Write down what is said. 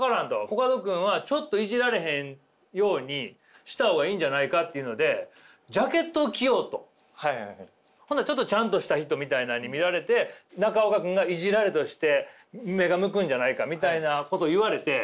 コカド君はちょっとイジられへんようにした方がいいんじゃないかっていうのでほなちょっとちゃんとした人みたいなんに見られて中岡君がイジられとして目が向くんじゃないかみたいなこと言われて。